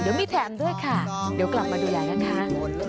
เดี๋ยวมีแถมด้วยค่ะเดี๋ยวกลับมาดูแลนะคะ